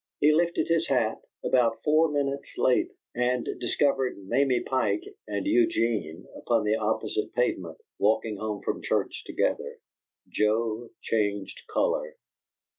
He lifted his hat, about four minutes late, and discovered Mamie Pike and Eugene, upon the opposite pavement, walking home from church together. Joe changed color.